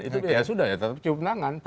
itu ya sudah tetap cium tangan